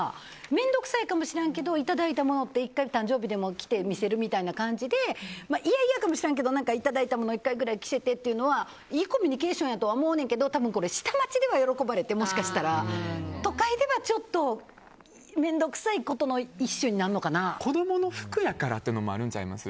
面倒くさいかもしれへんけどいただいたものとか１回誕生日でも着て見せるみたいな感じでいやいやかもしれんけどいただいたもの１回くらい着せてっていうのはいいコミュニケーションだとは思うんやけど多分、下町では喜ばれてもしかしたら都会ではちょっと面倒くさいことの子供の服やからっていうのもあるんちゃいます？